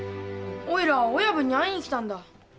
おいら親分に会いにきたんだ。